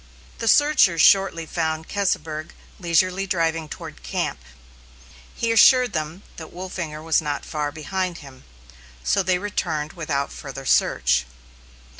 The searchers shortly found Keseberg leisurely driving toward camp. He assured them that Wolfinger was not far behind him, so they returned without further search.